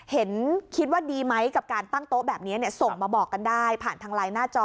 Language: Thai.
เห็นคิดว่าดีไหมกับการตั้งโต๊ะแบบนี้ส่งมาบอกกันได้ผ่านทางไลน์หน้าจอ